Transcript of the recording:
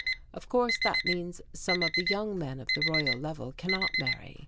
Of course that means some of the young men of the Royal Level cannot marry.